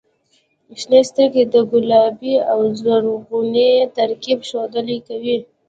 • شنې سترګې د ګلابي او زرغوني ترکیب ښودنه کوي.